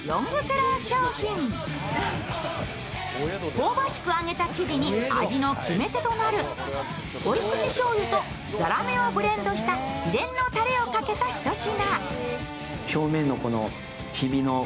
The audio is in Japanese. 香ばしく揚げた生地に味の決め手となる濃口しょうゆとざらめをブレンドした秘伝のたれをかけた一品。